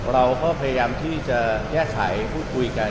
เราก็พยายามที่จะแยกไห่คุยกัน